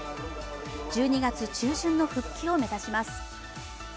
１２月中旬の復帰を目指します。